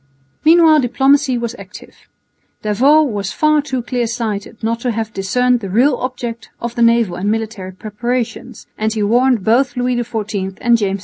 Meanwhile diplomacy was active. D'Avaux was far too clear sighted not to have discerned the real object of the naval and military preparations, and he warned both Louis XIV and James II.